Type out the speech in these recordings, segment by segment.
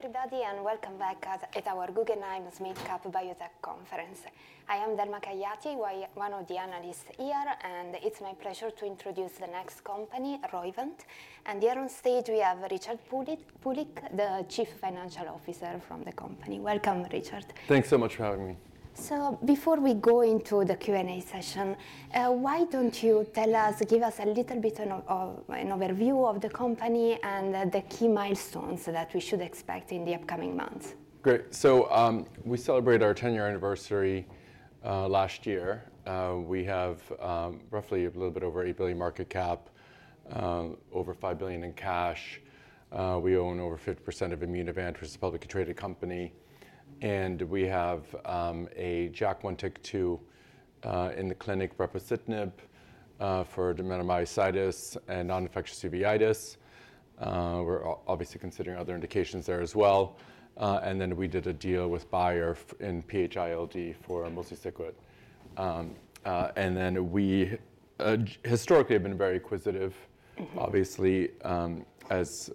Good afternoon and welcome back to our Guggenheim SMid Cap Biotech Conference. I am Delma Caiati, one of the analysts here, and it's my pleasure to introduce the next company, Roivant. And here on stage, we have Richard Pulik, the Chief Financial Officer from the company. Welcome, Richard. Thanks so much for having me. Before we go into the Q&A session, why don't you tell us, give us a little bit of an overview of the company and the key milestones that we should expect in the upcoming months? Great. So we celebrated our 10-year anniversary last year. We have roughly a little bit over $8 billion market cap, over $5 billion in cash. We own over 50% of Immunovant, which is a publicly traded company. And we have a JAK1/TYK2 in the clinic brepocitinib for dermatomyositis and non-infectious uveitis. We're obviously considering other indications there as well. And then we did a deal with Bayer in PH-ILD for mosliciguat. And then we historically have been very acquisitive, obviously, as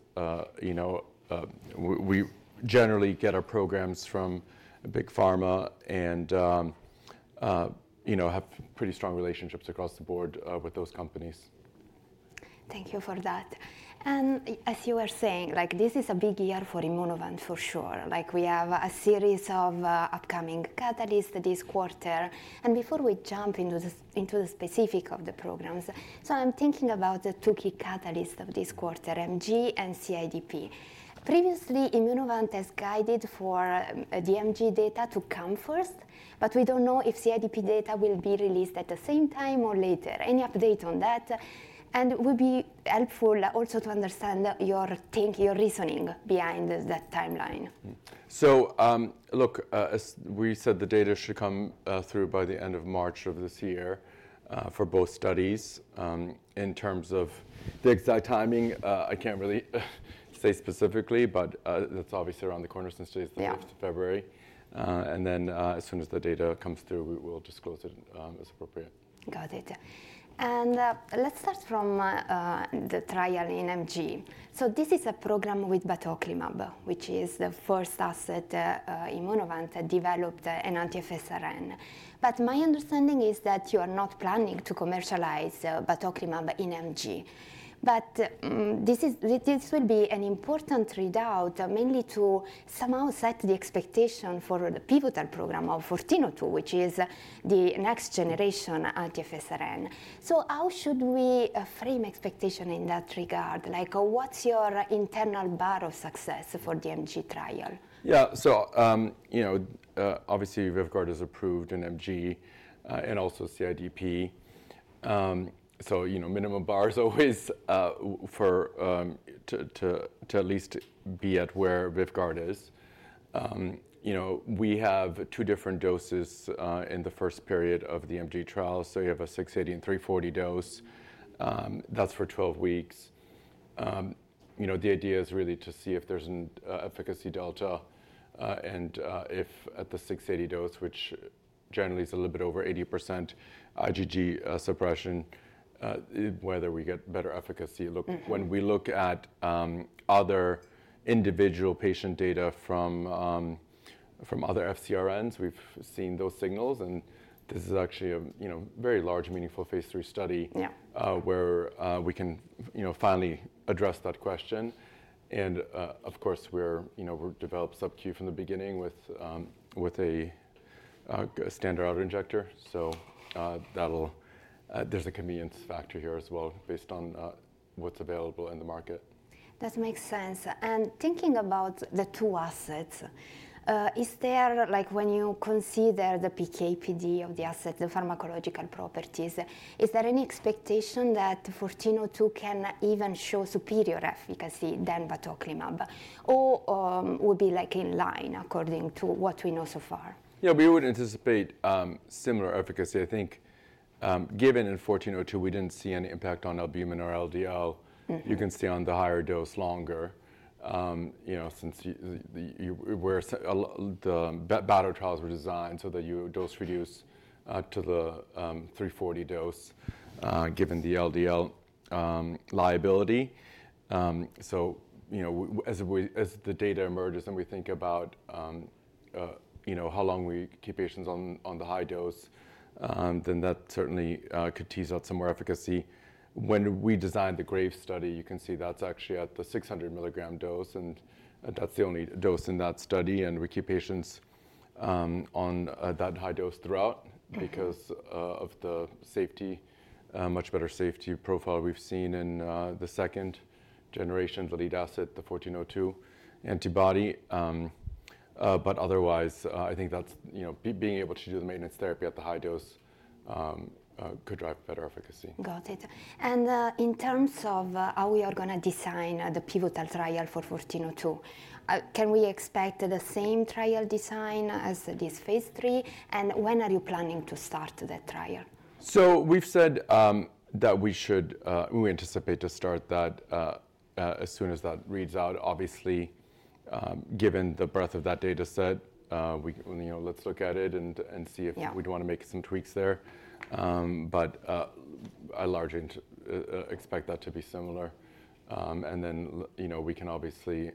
we generally get our programs from big pharma and have pretty strong relationships across the board with those companies. Thank you for that. And as you were saying, this is a big year for Immunovant for sure. We have a series of upcoming catalysts this quarter. And before we jump into the specifics of the programs, so I'm thinking about the two key catalysts of this quarter, MG and CIDP. Previously, Immunovant has guided for the MG data to come first, but we don't know if CIDP data will be released at the same time or later. Any update on that? And it would be helpful also to understand your reasoning behind that timeline. So look, we said the data should come through by the end of March of this year for both studies. In terms of the exact timing, I can't really say specifically, but that's obviously around the corner since today is the 5th of February. And then as soon as the data comes through, we will disclose it as appropriate. Got it. And let's start from the trial in MG. So this is a program with batoclimab, which is the first asset Immunovant developed in anti-FcRn. But my understanding is that you are not planning to commercialize batoclimab in MG. But this will be an important readout, mainly to somehow set the expectation for the pivotal program of IMVT-1402, which is the next generation anti-FcRn. So how should we frame expectation in that regard? What's your internal bar of success for the MG trial? Yeah, so obviously, Vyvgart is approved in MG and also CIDP. So minimum bar is always to at least be at where Vyvgart is. We have two different doses in the first period of the MG trial. So you have a 680 and 340 dose. That's for 12 weeks. The idea is really to see if there's an efficacy delta. And if at the 680 dose, which generally is a little bit over 80% IgG suppression, whether we get better efficacy. Look, when we look at other individual patient data from other FcRNs, we've seen those signals. And this is actually a very large, meaningful Phase III study where we can finally address that question. And of course, we've developed SubQ from the beginning with a standard autoinjector. So there's a convenience factor here as well based on what's available in the market. That makes sense, and thinking about the two assets, when you consider the PK/PD of the asset, the pharmacological properties, is there any expectation that 1402 can even show superior efficacy than batoclimab, or would be in line according to what we know so far? Yeah, we would anticipate similar efficacy. I think given in 1402, we didn't see any impact on albumin or LDL. You can stay on the higher dose longer since the batoclimab trials were designed so that you dose reduce to the 340 dose given the LDL liability, so as the data emerges and we think about how long we keep patients on the high dose, then that certainly could tease out some more efficacy. When we designed the Graves' study, you can see that's actually at the 600 mg dose, and that's the only dose in that study, and we keep patients on that high dose throughout because of the safety, much better safety profile we've seen in the second generation of the lead asset, the 1402 antibody, but otherwise, I think that's being able to do the maintenance therapy at the high dose could drive better efficacy. Got it. And in terms of how we are going to design the pivotal trial for 1402, can we expect the same trial design as this Phase III? And when are you planning to start that trial? So we've said that we anticipate to start that as soon as that reads out. Obviously, given the breadth of that data set, let's look at it and see if we'd want to make some tweaks there. But I largely expect that to be similar. And then we can obviously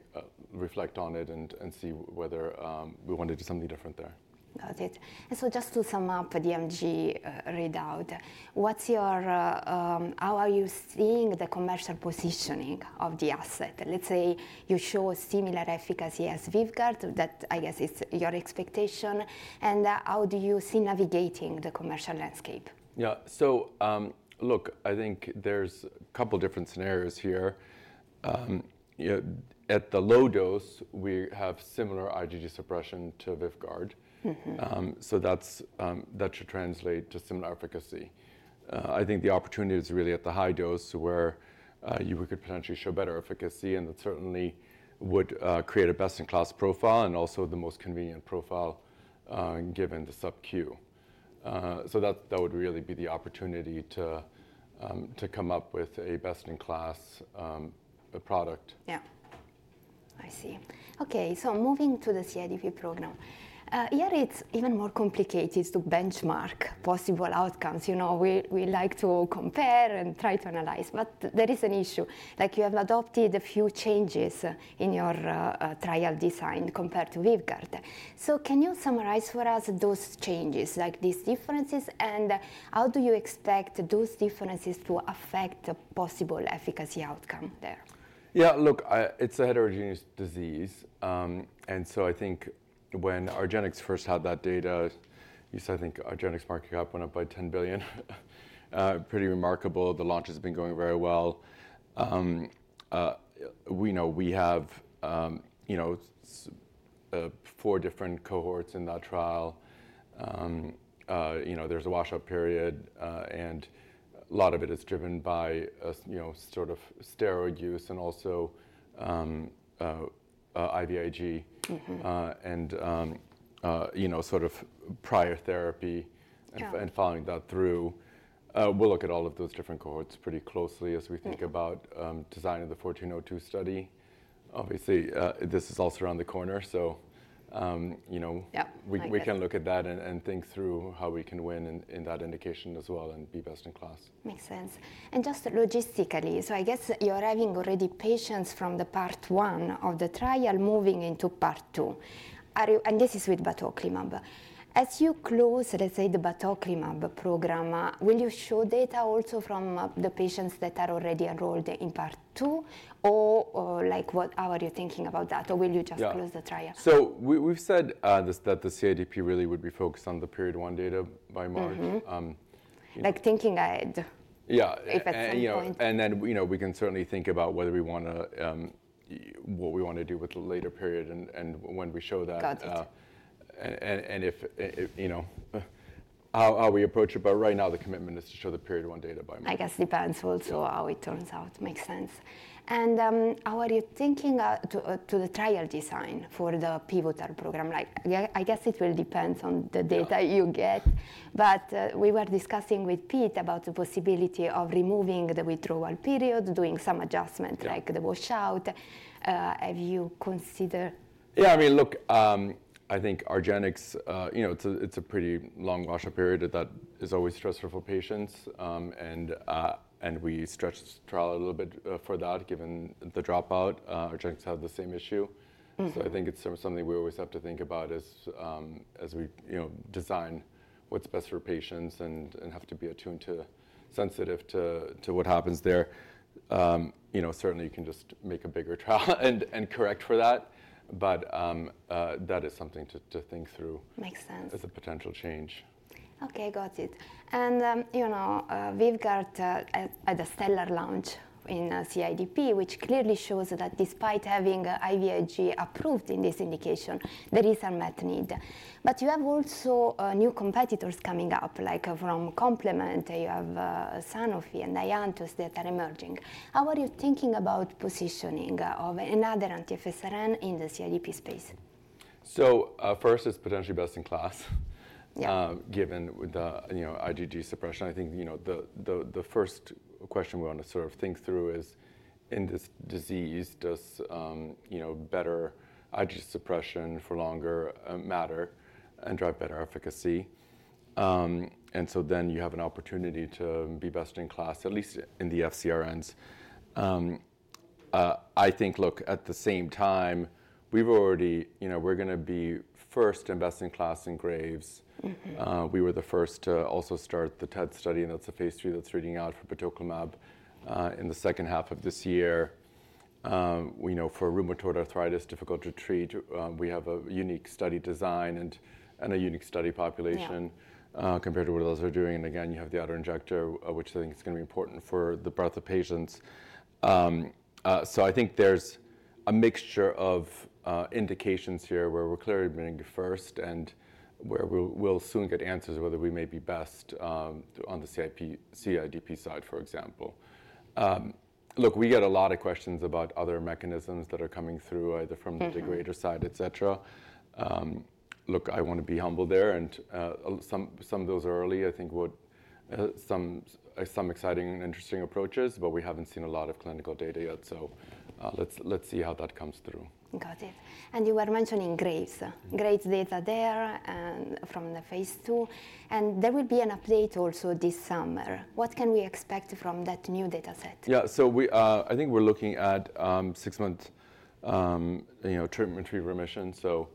reflect on it and see whether we want to do something different there. Got it. And so just to sum up the MG readout, how are you seeing the commercial positioning of the asset? Let's say you show similar efficacy as Vyvgart, that I guess is your expectation. And how do you see navigating the commercial landscape? Yeah, so look, I think there's a couple of different scenarios here. At the low dose, we have similar IgG suppression to Vyvgart. So that should translate to similar efficacy. I think the opportunity is really at the high dose where we could potentially show better efficacy. And that certainly would create a best-in-class profile and also the most convenient profile given the SubQ. So that would really be the opportunity to come up with a best-in-class product. Yeah, I see. OK, so moving to the CIDP program. Here, it's even more complicated to benchmark possible outcomes. We like to compare and try to analyze. But there is an issue. You have adopted a few changes in your trial design compared to Vyvgart. So can you summarize for us those changes, these differences? And how do you expect those differences to affect possible efficacy outcome there? Yeah, look, it's a heterogeneous disease, and so I think when Argenx first had that data, I think Argenx market cap went up by $10 billion. Pretty remarkable. The launch has been going very well. We have four different cohorts in that trial. There's a washout period, and a lot of it is driven by sort of steroid use and also IVIG and sort of prior therapy and following that through. We'll look at all of those different cohorts pretty closely as we think about designing the 1402 study. Obviously, this is also around the corner, so we can look at that and think through how we can win in that indication as well and be best in class. Makes sense. And just logistically, so I guess you're having already patients from part one of the trial moving into part two. And this is with batoclimab. As you close, let's say, the batoclimab program, will you show data also from the patients that are already enrolled in part two? Or how are you thinking about that? Or will you just close the trial? So we've said that the CIDP really would be focused on the Phase I data by March. Like thinking ahead. Yeah. And then we can certainly think about what we want to do with the later period and when we show that. And how we approach it. But right now, the commitment is to show the period one data by March. I guess it depends also how it turns out. Makes sense and how are you thinking about the trial design for the pivotal program? I guess it will depend on the data you get, but we were discussing with Pete about the possibility of removing the withdrawal period, doing some adjustment like the washout. Have you considered? Yeah, I mean, look, I think Argenx. It's a pretty long washout period. That is always stressful for patients, and we stretched the trial a little bit for that given the dropout. Argenx had the same issue, so I think it's something we always have to think about as we design what's best for patients and have to be attuned to, sensitive to what happens there. Certainly, you can just make a bigger trial and correct for that, but that is something to think through as a potential change. OK, got it, and Vyvgart had a stellar launch in CIDP, which clearly shows that despite having IVIG approved in this indication, there is an unmet need, but you have also new competitors coming up, like from complement, you have Sanofi and Argenx that are emerging. How are you thinking about positioning of another anti-FcRn in the CIDP space? So first, it's potentially best in class given the IgG suppression. I think the first question we want to sort of think through is, in this disease, does better IgG suppression for longer matter and drive better efficacy? And so then you have an opportunity to be best in class, at least in the FcRns. I think, look, at the same time, we're going to be first and best in class in Graves. We were the first to also start the TED study. And that's a Phase III that's reading out for batoclimab in the second half of this year. For rheumatoid arthritis, difficult to treat, we have a unique study design and a unique study population compared to what others are doing. And again, you have the autoinjector, which I think is going to be important for the breadth of patients. So I think there's a mixture of indications here where we're clearly being first and where we'll soon get answers whether we may be best on the CIDP side, for example. Look, we get a lot of questions about other mechanisms that are coming through, either from the degraders side, et cetera. Look, I want to be humble there. And some of those are early. I think some exciting and interesting approaches, but we haven't seen a lot of clinical data yet. So let's see how that comes through. Got it. And you were mentioning Graves'. Graves' data there from the Phase II. And there will be an update also this summer. What can we expect from that new data set? Yeah, so I think we're looking at six-month treatment-free remission. So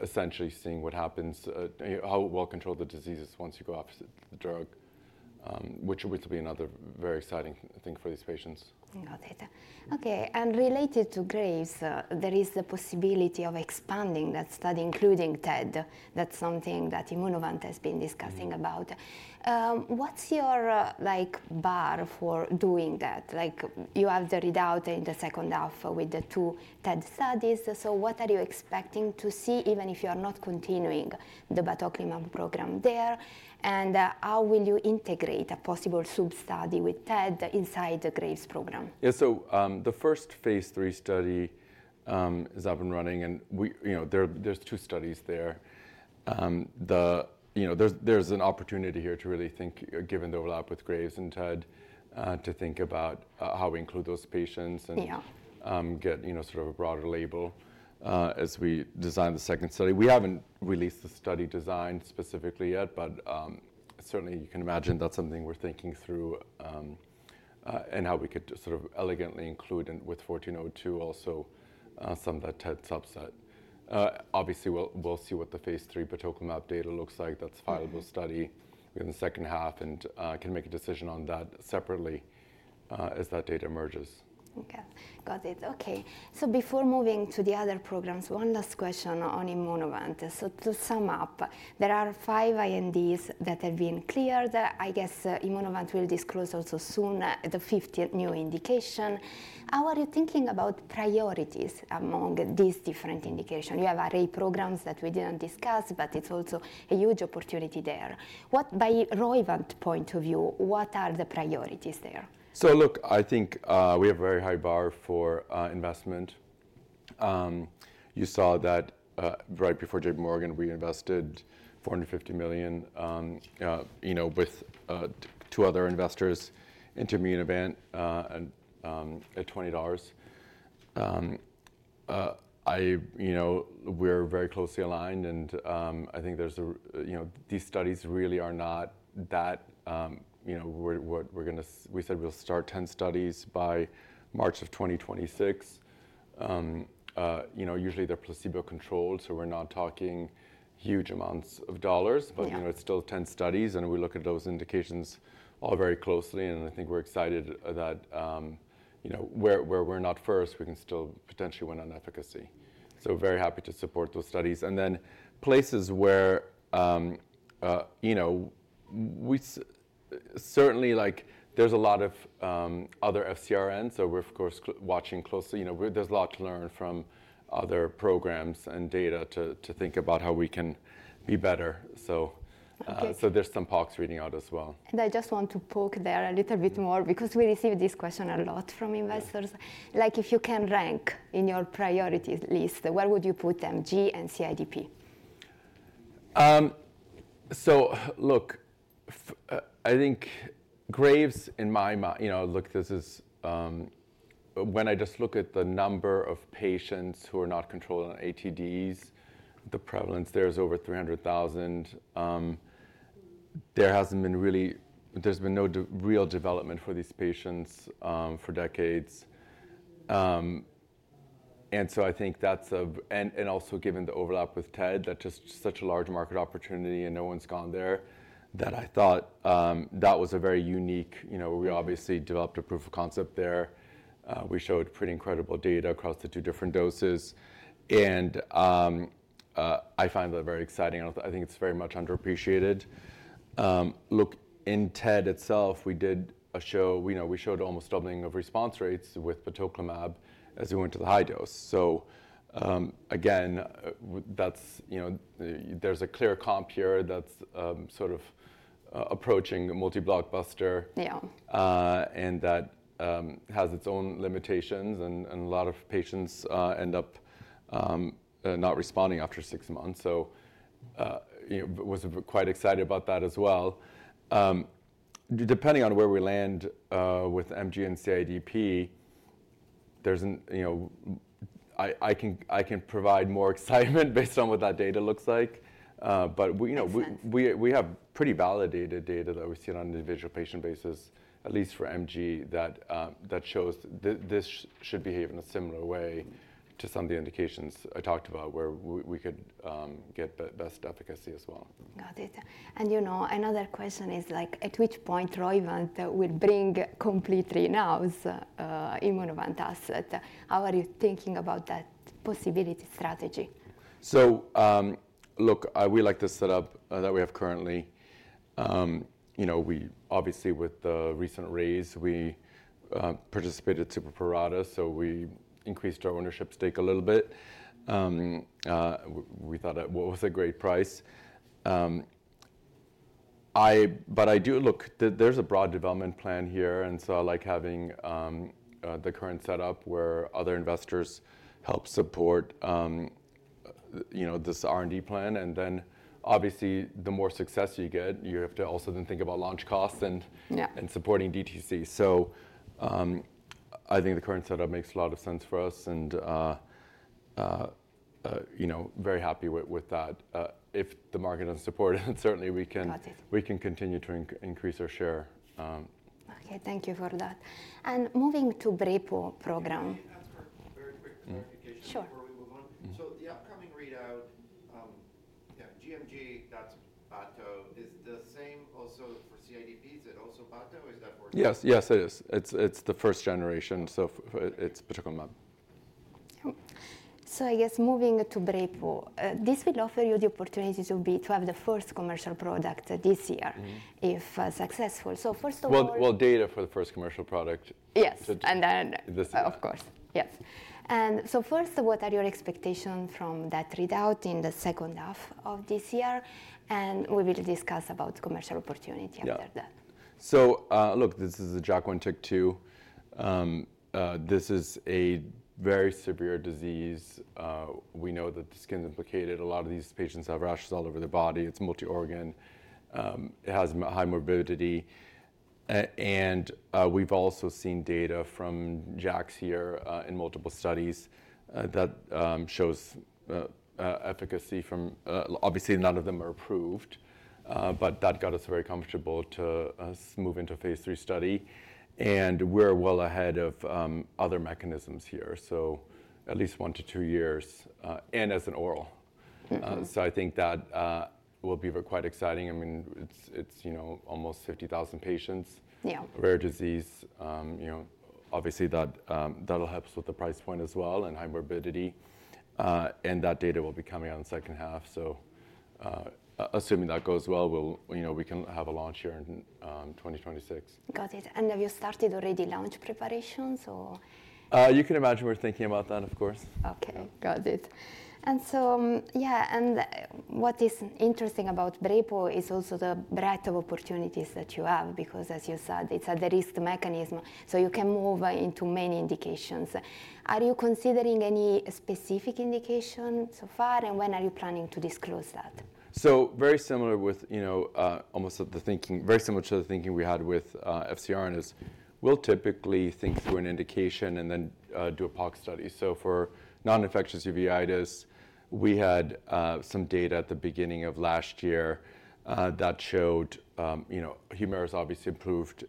essentially seeing what happens, how well controlled the disease is once you go off the drug, which will be another very exciting thing for these patients. Got it. OK, and related to Graves, there is the possibility of expanding that study, including TED. That's something that Immunovant has been discussing about. What's your bar for doing that? You have the readout in the second half with the two TED studies. So what are you expecting to see even if you are not continuing the batoclimab program there? And how will you integrate a possible sub-study with TED inside the Graves program? Yeah, so the first Phase III study is up and running, and there's two studies there. There's an opportunity here to really think, given the overlap with Graves' and TED, to think about how we include those patients and get sort of a broader label as we design the second study. We haven't released the study design specifically yet, but certainly, you can imagine that's something we're thinking through and how we could sort of elegantly include with 1402 also some of that TED subset. Obviously, we'll see what the Phase III batoclimab data looks like. That's a viable study in the second half, and can make a decision on that separately as that data emerges. OK, got it. OK, so before moving to the other programs, one last question on Immunovant. So to sum up, there are five INDs that have been cleared. I guess Immunovant will disclose also soon the fifth new indication. How are you thinking about priorities among these different indications? You have array programs that we didn't discuss, but it's also a huge opportunity there. By Roivant's point of view, what are the priorities there? So look, I think we have a very high bar for investment. You saw that right before JPMorgan, we invested $450 million with two other investors, Intermune Event at $20. We're very closely aligned, and I think these studies really are not that we said we'll start 10 studies by March of 2026. Usually, they're placebo-controlled, so we're not talking huge amounts of dollars, but it's still 10 studies, and we look at those indications all very closely, and I think we're excited that where we're not first, we can still potentially win on efficacy, so very happy to support those studies, and then places where certainly, there's a lot of other FcRNs, so we're, of course, watching closely. There's a lot to learn from other programs and data to think about how we can be better, so there's some POC reading out as well. I just want to poke there a little bit more because we receive this question a lot from investors. If you can rank in your priority list, where would you put MG and CIDP? So look, I think Graves in my mind, look, when I just look at the number of patients who are not controlled on ATDs, the prevalence there is over 300,000. There hasn't been really. There's been no real development for these patients for decades. I think that's a, and also given the overlap with TED, that's just such a large market opportunity. No one's gone there. That I thought was a very unique. We obviously developed a proof of concept there. We showed pretty incredible data across the two different doses. I find that very exciting. I think it's very much underappreciated. Look, in TED itself, we did a show. We showed almost doubling of response rates with batoclimab as we went to the high dose. Again, there's a clear comp here that's sort of approaching multi-blockbuster. That has its own limitations. A lot of patients end up not responding after six months. I was quite excited about that as well. Depending on where we land with MG and CIDP, I can provide more excitement based on what that data looks like. We have pretty validated data that we see on an individual patient basis, at least for MG, that shows this should behave in a similar way to some of the indications I talked about where we could get best efficacy as well. Got it, and another question is, at which point Roivant will bring completely new Immunovant asset? How are you thinking about that possible strategy? So look, we like the setup that we have currently. Obviously, with the recent raise, we participated super pro rata. So we increased our ownership stake a little bit. We thought it was a great price. But I do. Look, there's a broad development plan here. And so I like having the current setup where other investors help support this R&D plan. And then obviously, the more success you get, you have to also then think about launch costs and supporting DTC. So I think the current setup makes a lot of sense for us. And very happy with that. If the market doesn't support it, certainly we can continue to increase our share. OK, thank you for that. And moving to Brepo program. Can I ask for a very quick clarification before we move on? Sure. So the upcoming readout, gMG, that's batoclimab. Is the same also for CIDP? Is it also batoclimab? Is that for? Yes, yes, it is. It's the first generation. So it's batoclimab. I guess moving to Brepo, this will offer you the opportunity to have the first commercial product this year if successful. First of all. Data for the first commercial product. Yes, and then. This year. Of course, yes. And so first, what are your expectations from that readout in the second half of this year? And we will discuss about commercial opportunity after that. So look, this is a JAK1/TYK2. This is a very severe disease. We know that the skin is implicated. A lot of these patients have rashes all over their body. It's multi-organ. It has high morbidity. And we've also seen data from JAKs here in multiple studies that shows efficacy from obviously, none of them are approved. But that got us very comfortable to move into a Phase III study. And we're well ahead of other mechanisms here, so at least one to two years and as an oral. So I think that will be quite exciting. I mean, it's almost 50,000 patients, rare disease. Obviously, that'll help us with the price point as well and high morbidity. And that data will be coming out in the second half. So assuming that goes well, we can have a launch here in 2026. Got it. And have you started already launch preparations? You can imagine we're thinking about that, of course. OK, got it, and so yeah, and what is interesting about brepocitinib is also the breadth of opportunities that you have because, as you said, it's a risk mechanism, so you can move into many indications. Are you considering any specific indication so far, and when are you planning to disclose that? Very similar with almost the thinking very similar to the thinking we had with FcRn is we'll typically think through an indication and then do a POC study. For non-infectious uveitis, we had some data at the beginning of last year that showed Humira has obviously improved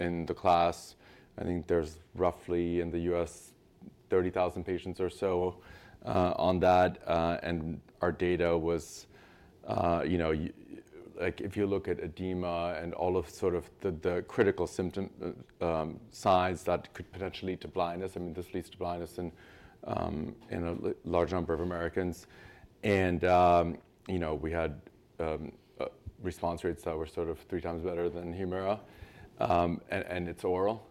in the class. I think there's roughly in the U.S. 30,000 patients or so on that. Our data was if you look at edema and all of sort of the critical signs that could potentially lead to blindness. I mean, this leads to blindness in a large number of Americans. We had response rates that were sort of three times better than Humira. It's oral.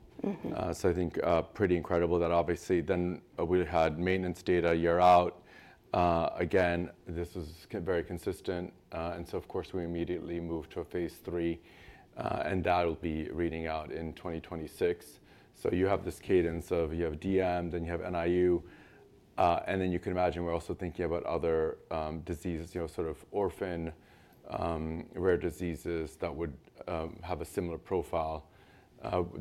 Pretty incredible that obviously then we had maintenance data one year out. Again, this was very consistent. Of course, we immediately moved to a Phase III. That'll be reading out in 2026. You have this cadence of you have DM, then you have NIU. Then you can imagine we're also thinking about other diseases, sort of orphan rare diseases that would have a similar profile for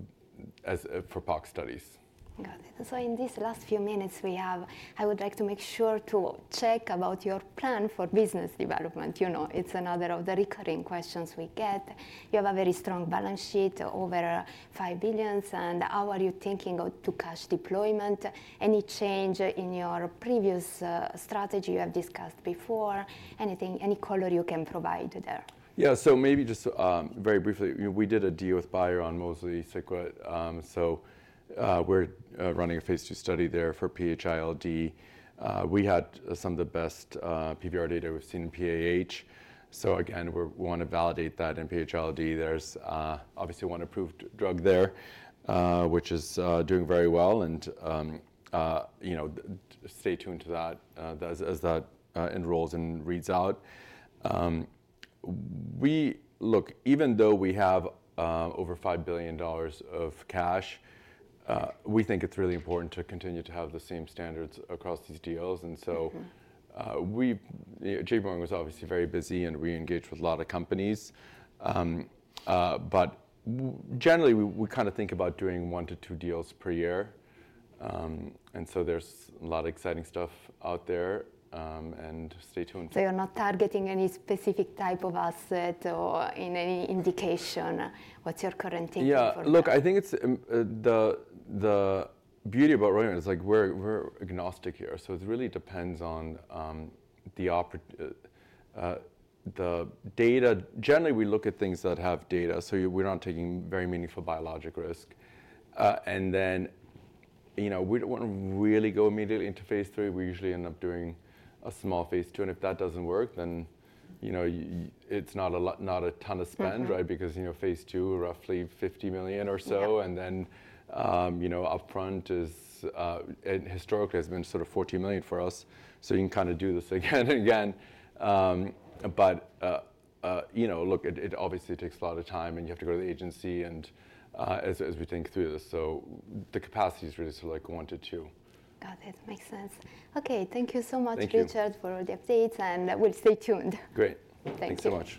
POC studies. Got it. So in these last few minutes we have, I would like to make sure to check about your plan for business development. It's another of the recurring questions we get. You have a very strong balance sheet over $5 billion. And how are you thinking about to cash deployment? Any change in your previous strategy you have discussed before? Anything, any color you can provide there? Yeah, so maybe just very briefly, we did a deal with Bayer on mosliciguat. So we're running a Phase II study there for PH-ILD. We had some of the best PVR data we've seen in PAH. So again, we want to validate that in PH-ILD. There's obviously one approved drug there, which is doing very well. And stay tuned to that as that enrolls and reads out. Look, even though we have over $5 billion of cash, we think it's really important to continue to have the same standards across these deals. And so J.P. Morgan was obviously very busy. And we engaged with a lot of companies. But generally, we kind of think about doing one to two deals per year. And so there's a lot of exciting stuff out there. And stay tuned. So you're not targeting any specific type of asset or in any indication? What's your current thinking for that? Yeah, look, I think the beauty about Roivant is we're agnostic here. So it really depends on the data. Generally, we look at things that have data. So we're not taking very meaningful biologic risk, and then we don't want to really go immediately into Phase III. We usually end up doing a small Phase II, and if that doesn't work, then it's not a ton of spend, right? Because Phase II, roughly $50 million or so, and then upfront is historically has been sort of $40 million for us. So you can kind of do this again and again, but look, it obviously takes a lot of time, and you have to go to the agency as we think through this. So the capacity is really sort of like one to two. Got it. Makes sense. OK, thank you so much, Richard, for all the updates. And we'll stay tuned. Great. Thank you so much.